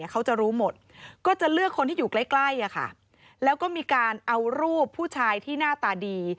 เขาจะรู้หมดก็จะเลือกคนที่อยู่ใกล้แล้วก็มีการเอารูปผู้ชายที่หน้าตาดี